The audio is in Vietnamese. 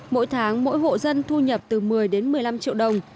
mỗi tháng mỗi hộ dân thu nhập từ một mươi đến một mươi năm triệu đồng